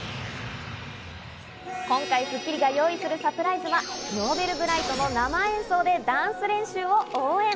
今回『スッキリ』が用意するサプライズはＮｏｖｅｌｂｒｉｇｈｔの生演奏でダンス練習を応援。